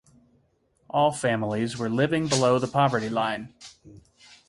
All families were living below the poverty line.